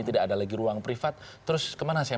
tidak ada lagi ruang privat terus kemana saya